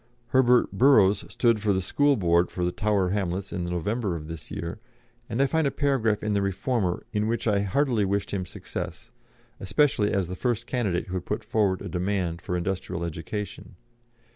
Herbert Burrows stood for the School Board for the Tower Hamlets in the November of this year, and I find a paragraph in the Reformer in which I heartily wished him success, especially as the first candidate who had put forward a demand for industrial education.